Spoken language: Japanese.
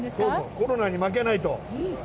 「コロナに負けない！」と。